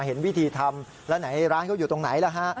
เห็นวิธีทำแล้วไหนร้านเขาอยู่ตรงไหนล่ะฮะ